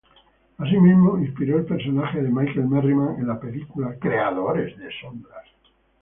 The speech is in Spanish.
Asimismo inspiró el personaje de Michael Merriman en la película "Creadores de sombras".